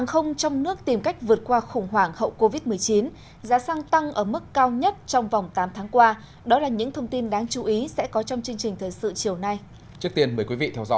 xin chào quý vị khán giả đang theo dõi bản tin thế giới chuyển động